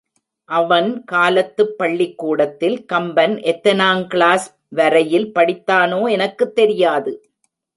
அவன் காலத்துப் பள்ளிக் கூடத்தில் கம்பன் எத்தனாங்கிளாஸ் வரையில் படித்தானோ எனக்குத் தெரியாது.